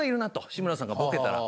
志村さんがボケたら。